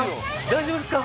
大丈夫ですか？